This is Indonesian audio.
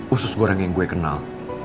usus goreng yang gue kenal